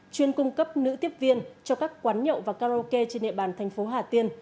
chuyên cung cấp nữ tiếp viên cho các quán nhậu và karaoke trên địa bàn thành phố hà tiên